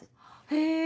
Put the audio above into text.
へぇ！